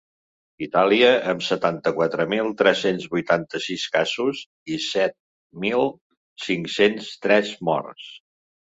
Itàlia, amb setanta-quatre mil tres-cents vuitanta-sis casos i set mil cinc-cents tres morts.